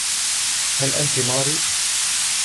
هل أنتي ماري؟